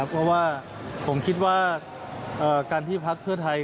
เพราะว่าผมคิดว่าการที่พักเพื่อไทย